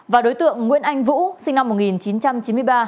và đối tượng nguyễn anh vũ sinh năm một nghìn chín trăm chín mươi ba